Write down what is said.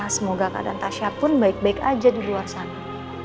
semoga keadaan tasya pun baik baik aja di luar sana